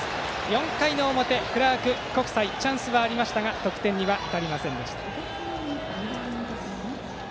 ４回の表、クラーク国際チャンスがありましたが得点には至りませんでした。